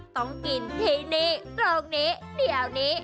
ต้องกินที่นี่กรอกนี้เดี๋ยวนี้